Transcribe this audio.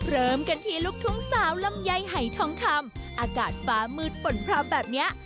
เริ่มกันที่ลูกทุ่งสาวลำไยหายทองคำอากาศฟ้ามืดป่นพราวแบบนี้